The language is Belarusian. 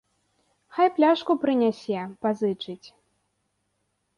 Хай пляшку прынясе, пазычыць.